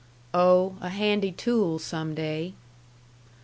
"Oh, a handy tool some day."